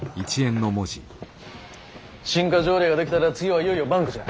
新貨条例が出来たら次はいよいよバンクじゃ。